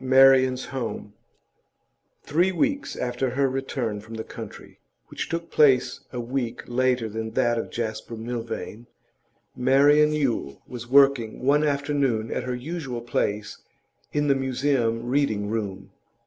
MARIAN'S HOME Three weeks after her return from the country which took place a week later than that of Jasper Milvain Marian Yule was working one afternoon at her usual place in the Museum Reading room.